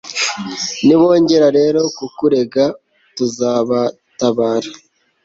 nibongera rero kukurega, tuzabatabara